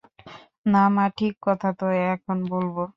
না মা, ঠিক কথা তো এখন বলব।